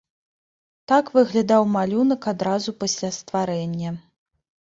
Так выглядаў малюнак адразу пасля стварэння.